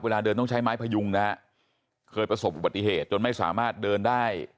เดินต้องใช้ไม้พยุงนะฮะเคยประสบอุบัติเหตุจนไม่สามารถเดินได้